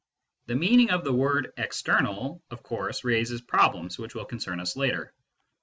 (The mean ing of the word " external " of course raises problems which will concern us later.)